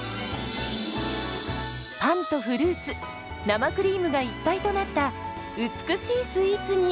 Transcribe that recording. パンとフルーツ生クリームが一体となった美しいスイーツに。